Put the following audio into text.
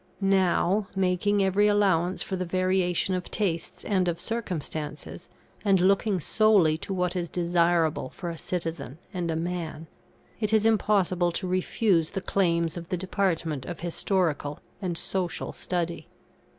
Now, making every allowance for the variation of tastes and of circumstances, and looking solely to what is desirable for a citizen and a man, it is impossible to refuse the claims of the department of Historical and Social study.